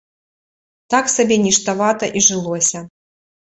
Так сабе ніштавата і жылося.